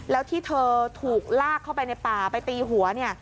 แล้วที่เธอถูกลากเข้าไปในป่าไปตีหัวเนี่ย